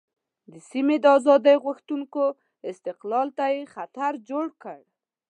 د سیمې د آزادۍ غوښتونکو استقلال ته یې خطر جوړ کړ.